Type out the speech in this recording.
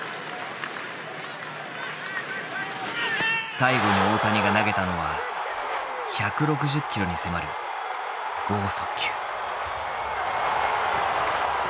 最後に大谷が投げたのは１６０キロに迫る剛速球。